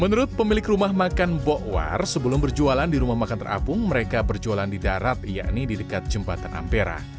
menurut pemilik rumah makan bokwar sebelum berjualan di rumah makan terapung mereka berjualan di darat yakni di dekat jembatan ampera